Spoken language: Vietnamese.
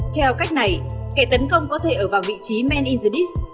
theo cách này kẻ tấn công có thể ở vào vị trí man in the dist